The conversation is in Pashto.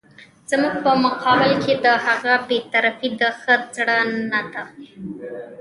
زموږ په مقابل کې د هغه بې طرفي د ښه زړه نه ده.